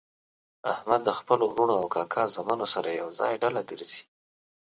احمد د خپلو ورڼو او کاکا زامنو سره ېوځای ډله ګرځي.